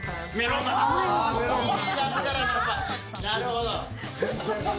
なるほど。